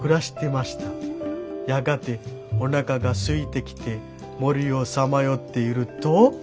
やがておなかがすいてきて森をさまよっていると」。